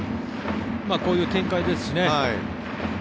こういう展開ですしね。